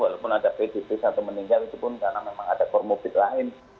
walaupun ada pedis atau meninggal itu pun karena memang ada kormobit lain